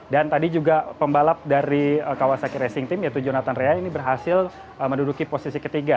dan tadi juga pembalap dari kawasaki racing team yaitu jonathan rea ini berhasil menduduki posisi ketiga